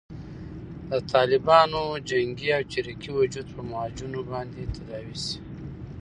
د طالبانو جنګي او چریکي وجود په معجونو باندې تداوي شي.